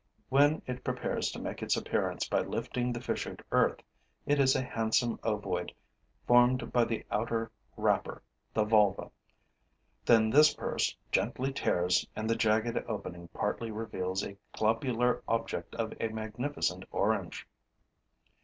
When it prepares to make its appearance by lifting the fissured earth, it is a handsome ovoid formed by the outer wrapper, the volva. Then this purse gently tears and the jagged opening partly reveals a globular object of a magnificent orange.